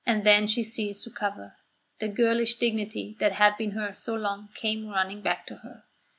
Then she ceased to cower. The girlish dignity that had been hers so long came running back to her.